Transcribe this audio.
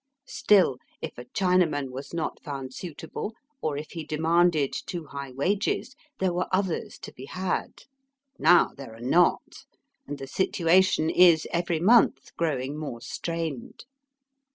Still, if a Chinaman was not found suitable, or if he demanded too high wages, there were others to be had. Now there are not, and the situation is every month growing more strained.